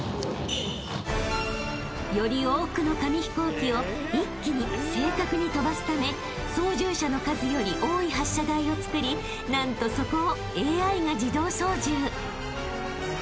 ［より多くの紙飛行機を一気に正確に飛ばすため操縦者の数より多い発射台を作り何とそこをＡＩが自動操縦］